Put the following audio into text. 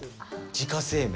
自家製麺。